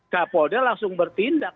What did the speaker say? kapolda langsung bertindak